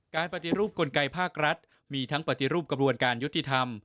ปฏิรูปกลไกภาครัฐมีทั้งปฏิรูปกระบวนการยุติธรรม